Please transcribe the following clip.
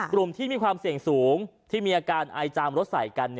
กลุ่มที่มีความเสี่ยงสูงที่มีอาการไอจามรถใส่กัน